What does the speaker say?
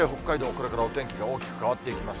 これからお天気が大きく変わっていきます。